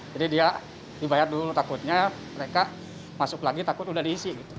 jadi dia dibayar dulu takutnya mereka masuk lagi takut udah diisi gitu